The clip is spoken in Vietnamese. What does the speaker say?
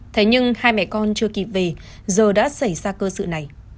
thế nhưng hai mẹ con chưa kịp về giờ đã xảy ra cơ sự này